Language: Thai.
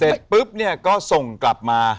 เสร็จปุ๊บเนี่ยก็ส่งกลับมา